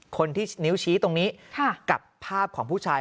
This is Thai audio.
คนที่นิ้วชี้ตรงนี้กับภาพของผู้ชาย